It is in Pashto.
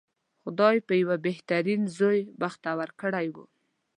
خدای په یوه بهترین زوی بختور کړی و.